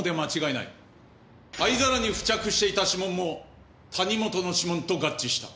灰皿に付着していた指紋も谷本の指紋と合致した。